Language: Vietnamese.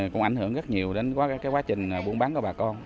cũng ảnh hưởng rất nhiều đến quá trình buôn bán của bà con